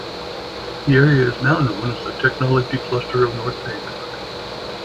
The area is now known as the "Technology Cluster of North Bangkok".